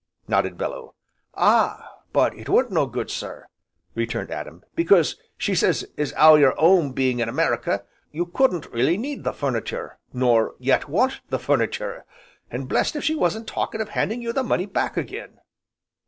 nodded Bellew. "Ah! but it weren't no good, sir," returned Adam, "because she sez as 'ow your 'ome being in America, you couldn't really need the furnitur', nor yet want the furnitur', an' blest if she wasn't talkin' of handing you the money back again."